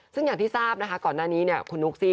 ซึ่งอย่างที่ทราบนะคะก่อนหน้านี้เนี่ยคุณนุ๊กซี่